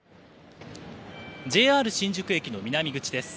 ＪＲ新宿駅の南口です。